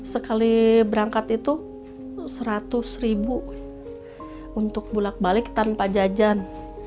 sekali berangkat itu seratus ribu untuk bulat balik tanpa jajan